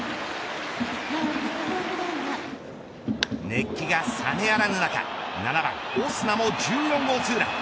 熱気が冷めやらぬ中７番オスナも１４号ツーラン。